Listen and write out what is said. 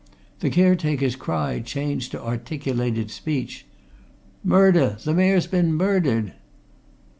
The caretaker's cry changed to articulated speech. "Murder! The Mayor's been murdered!"